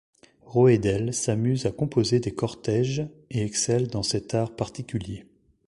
Roedel s'amuse à composer des cortèges, et excelle dans cet art particulier.